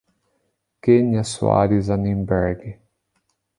Kênia Soares Annemberg